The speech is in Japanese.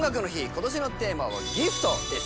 今年のテーマは「ＧＩＦＴギフト」です